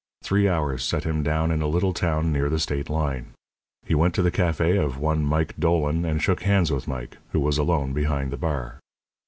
Three hours set him down in a little town near the state line. He went to the café of one Mike Dolan and shook hands with Mike, who was alone behind the bar.